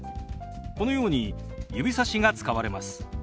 このように指さしが使われます。